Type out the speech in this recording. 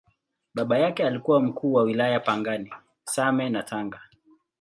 Baba yake alikuwa Mkuu wa Wilaya Pangani, Same na Tanga.